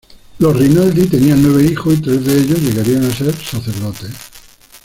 Los Rinaldi tenían nueve hijos y tres de ellos llegarían a ser sacerdotes.